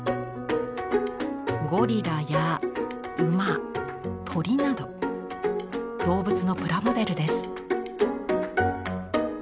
ゴリラや馬鳥など動物のプラモデルです。